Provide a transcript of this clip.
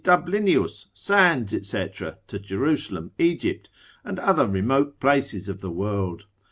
Dublinius, Sands, &c., to Jerusalem, Egypt, and other remote places of the world?